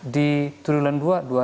di tribulan dua dua tiga puluh satu